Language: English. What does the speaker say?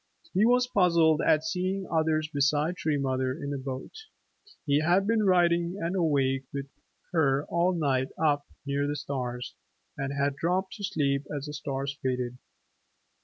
He was puzzled at seeing others beside Tree Mother in the boat. He had been riding and awake with her all night up near the stars, and had dropped to sleep as the stars faded.